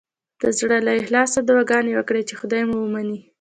د زړه له اخلاصه دعاګانې وکړئ چې خدای مو ومني.